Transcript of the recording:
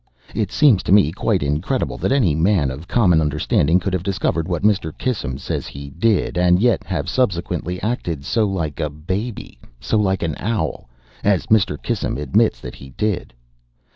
It seems to me quite incredible that any man of common understanding could have discovered what Mr. Kissam says he did, and yet have subsequently acted so like a baby—so like an owl—as Mr. Kissam admits that he did.